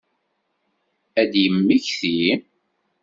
Ad yemmekti?